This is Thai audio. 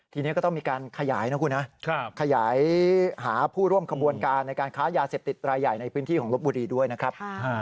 ทีนี้ก็ต้องมีการขยายนะคุณนะขยายหาผู้ร่วมขบวนการในการค้ายาเสพติดรายใหญ่ในพื้นที่ของลบบุรีด้วยนะครับ